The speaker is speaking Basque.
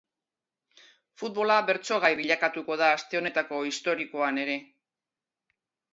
Futbola bertso-gai bilakatuko da aste honetako historikoan ere.